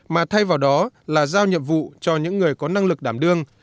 mà thay vào đó là giao nhiệm vụ cho những người có năng lực đảm đương